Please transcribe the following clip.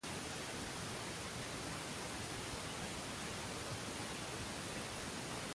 Humillaos delante del Señor, y él os ensalzará.